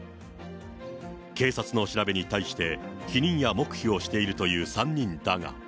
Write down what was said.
警察の調べに対して、否認や黙秘をしているという３人だが。